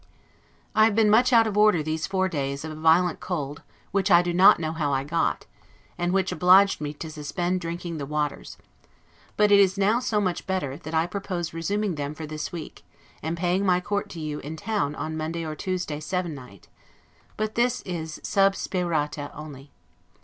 I have been much out of order these four days of a violent cold which I do not know how I got, and which obliged me to suspend drinking the waters: but it is now so much better, that I propose resuming them for this week, and paying my court to you in town on Monday or Tuesday seven night: but this is 'sub spe rati' only.